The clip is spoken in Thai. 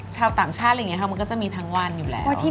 ชาวต่างชาติอะไรอย่างนี้